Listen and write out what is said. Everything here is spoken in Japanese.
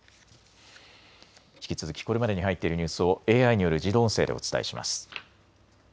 引き続きこれまでに入っているニュースをＡＩによる自動音声でお伝えします。